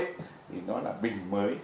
thì nó là bình mới